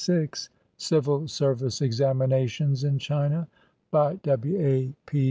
CIVIL SERVICE EXAMINATIONS IN CHINA BY W. A. P.